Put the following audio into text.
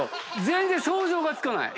全然想像がつかない。